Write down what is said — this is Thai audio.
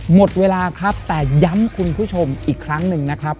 หมดเวลาครับแต่ย้ำคุณผู้ชมอีกครั้งหนึ่งนะครับ